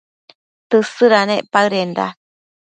Tësëdanec paëdenda